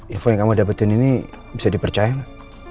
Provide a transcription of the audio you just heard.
info yang kamu dapetin ini bisa dipercaya nggak